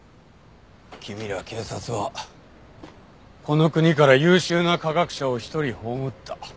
君ら警察はこの国から優秀な科学者を一人葬った。